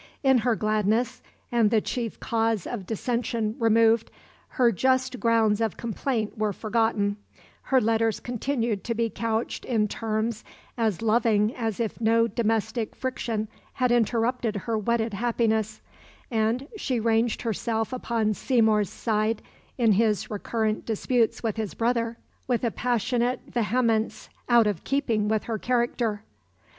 In her gladness, and the chief cause of dissension removed, her just grounds of complaint were forgotten; her letters continued to be couched in terms as loving as if no domestic friction had interrupted her wedded happiness, and she ranged herself upon Seymour's side in his recurrent disputes with his brother with a passionate vehemence out of keeping with her character.